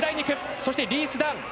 そしてリース・ダン。